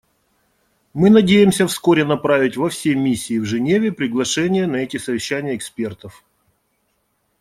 Мы надеемся вскоре направить во все миссии в Женеве приглашение на эти совещания экспертов.